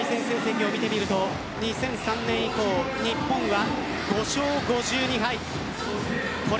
ここ２０年の両チームの対戦成績を見てみると２００３年以降、日本は５勝５２敗。